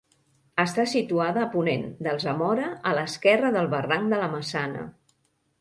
Està situada a ponent d'Alsamora, a l'esquerra del barranc de la Maçana.